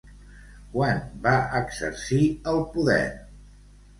Quan va exercir el poder?